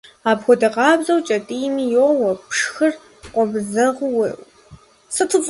Апхуэдэ къабзэу, кӀэтӀийми йоуэ, пшхыр къомызэгъыу укъегъэжь, уи ныбэр егъэуз, ныбажэ уищӏынкӏэ хъунущ.